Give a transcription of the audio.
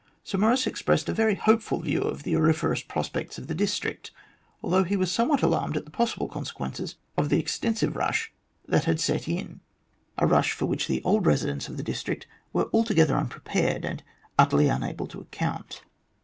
Sir Maurice expressed a very hopeful view of the auriferous prospects of the district, although he was somewhat alarmed at the possible consequences of the extensive rush that had set in a rush for which the old residents of the district were altogether unprepared and utterly unable to account.